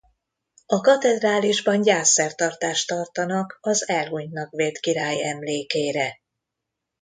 A katedrálisban gyászszertartást tartanak az elhunytnak vélt király emlékére.